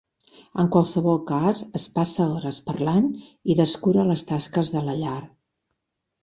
En qualsevol cas, es passa hores parlant i descura les tasques de la llar.